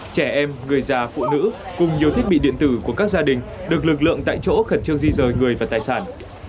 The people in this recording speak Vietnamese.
trẻ em người già phụ nữ cùng nhiều thiết bị điện tử của các gia đình được lực lượng tại chỗ khẩn trương di rời người và tài sản